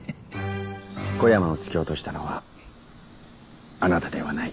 小山を突き落としたのはあなたではない。